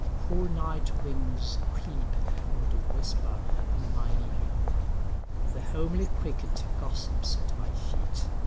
9Cool night winds creep, and whisper in mine ear.10The homely cricket gossips at my feet.